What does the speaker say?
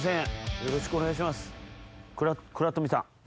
よろしくお願いします。